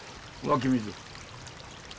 湧き水。